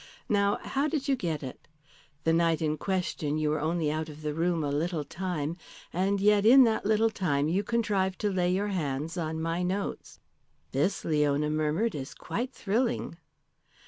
Now, how did you get it? The night in question you were only out of the room a little time, and yet in that little time you contrived to lay your hands on my notes." "This," Leona murmured, "this is quite thrilling."